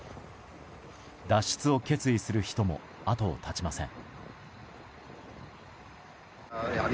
脱出を決意する人も後を絶ちません。